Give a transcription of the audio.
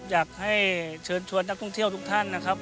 อยากให้เชิญชวนนักท่องเที่ยวทุกท่านนะครับ